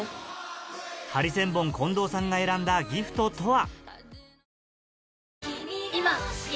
ハリセンボン・近藤さんが選んだギフトとは？